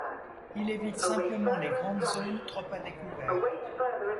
Il évite simplement les grandes zones trop à découvert.